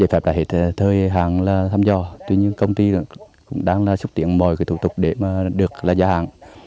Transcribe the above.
giấy phép đã hết thời hàng thăm dò tuy nhiên công ty cũng đang xúc tiện mọi thủ tục để được giá hàng